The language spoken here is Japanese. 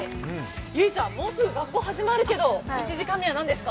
ゆいちゃん、もうすぐ学校始まるけど、１時間目は何ですか？